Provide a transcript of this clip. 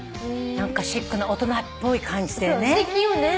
何かシックな大人っぽい感じでね。